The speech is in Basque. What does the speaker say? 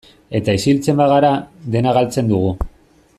Eta isiltzen bagara, dena galtzen dugu.